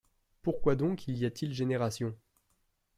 Pourquoi donc y a-t-il génération?